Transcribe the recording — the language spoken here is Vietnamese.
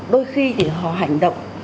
đôi khi thì họ hành động